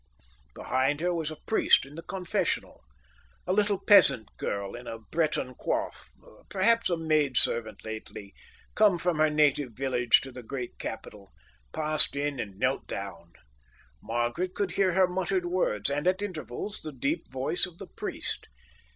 Behind her was a priest in the confessional. A little peasant girl, in a Breton coiffe, perhaps a maid servant lately come from her native village to the great capital, passed in and knelt down. Margaret could hear her muttered words, and at intervals the deep voice of the priest.